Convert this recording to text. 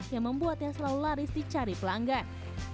yang membuatnya selalu laris dicari pelanggan